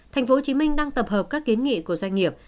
thành phố hồ chí minh đang tập hợp các kiến nghị của doanh nghiệp